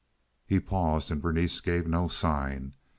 He paused, and Berenice gave no sign.